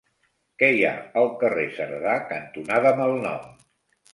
Què hi ha al carrer Cerdà cantonada Malnom?